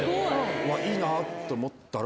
いいなって思ったら。